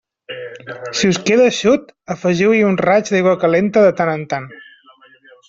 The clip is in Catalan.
Si us queda eixut, afegiu-hi un raig d'aigua calenta de tant en tant.